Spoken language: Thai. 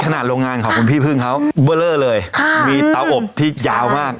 โรงงานของคุณพี่พึ่งเขาเบอร์เลอร์เลยค่ะมีเตาอบที่ยาวมาก